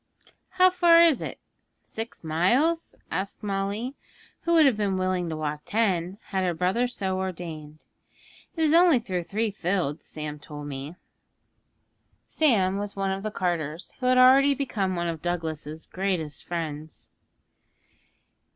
'How far is it? Six miles?' asked Molly, who would have been willing to walk ten, had her brother so ordained. 'It is only through three fields, Sam told me.' Sam was one of the carters, who had already become one of Douglas's greatest friends.